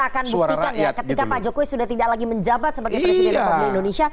saya akan buktikan ya ketika pak jokowi sudah tidak lagi menjabat sebagai presiden republik indonesia